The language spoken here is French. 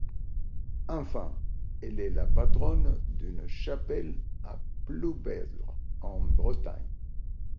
Enfin, elle est la patronne d'une chapelle à Ploubezre, en Bretagne.